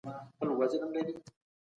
سم نیت راتلونکی نه دروي.